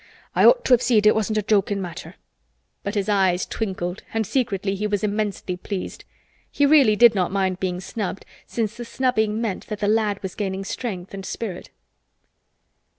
"I ought to have seed it wasn't a jokin' matter," but his eyes twinkled and secretly he was immensely pleased. He really did not mind being snubbed since the snubbing meant that the lad was gaining strength and spirit.